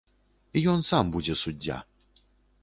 Ён сам будзе суддзя!